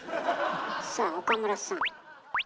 さあ岡村さん。